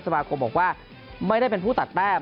สมาคมบอกว่าไม่ได้เป็นผู้ตัดแต้ม